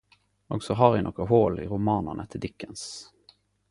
Og så har eg nokre hol i romanane til Dickens.